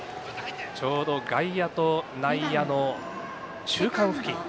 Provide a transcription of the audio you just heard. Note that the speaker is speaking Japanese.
ちょうど外野と内野の中間付近。